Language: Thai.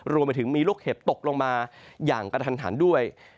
รวมไปถึงมีลูกเห็บตกลงมาอย่างกระทันหันด้วย